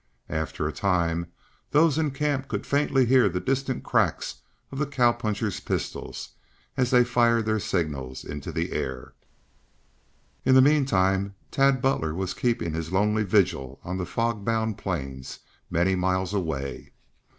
After a time those in camp could faintly hear the distant cracks of the cowpunchers' pistols as they fired their signals into the air. In the meantime Tad Butler was keeping his lonely vigil on the fogbound plains many miles away.